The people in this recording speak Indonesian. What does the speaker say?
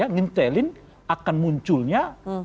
ngintelin akan munculnya